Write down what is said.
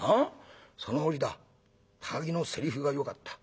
その折だ高木のせりふがよかった。